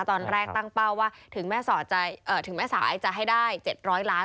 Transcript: ตอนแรกตั้งเป้าว่าถึงแม่ถึงแม่สายจะให้ได้๗๐๐ล้าน